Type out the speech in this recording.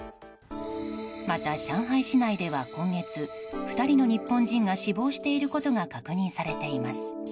また、上海市内では今月２人の日本人が死亡していることが確認されています。